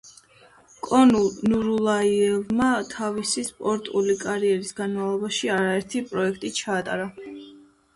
კონულ ნურულაიევმა თავისი სპორტული კარიერის განმავლობაში არაერთი პროექტი ჩაატარა.